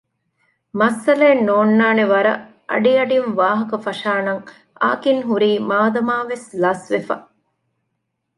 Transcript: މައްސަލައެއް ނޯންނާނެވަރަށް އަޑިއަޑިން ވާހަކަ ފަށާނަން އާކިން ހުރީ މާދަމާވެސް ލަސްވެފަ